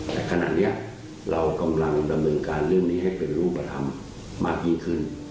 แต่ขณะนี้เรากำลังดำเนินการเรื่องนี้ให้เป็นรูปธรรมมากยิ่งขึ้น